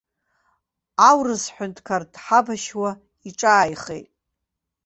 Аурыс ҳәынҭкар дҳабашьуа иҿааихеит.